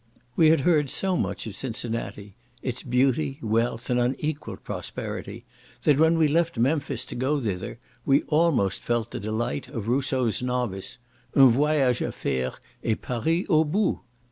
We had heard so much of Cincinnati, its beauty, wealth, and unequalled prosperity, that when we left Memphis to go thither, we almost felt the delight of Rousseau's novice, "un voyage à faire, et Paris au bout!"